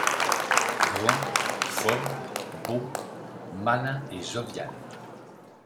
Grand, fort, beau, malin et jovial